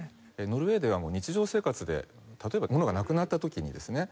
ノルウェーでは日常生活で例えば物がなくなった時にですね